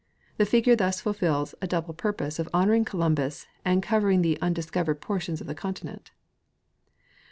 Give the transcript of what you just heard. The figure thus fulfills a double purpose of honoring Columbus and cover ing the undiscovered portions of the continent (plate 4*).